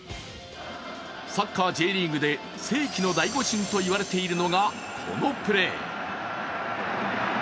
サッカー、Ｊリーグで世紀の大誤審と言われているのがこのプレー。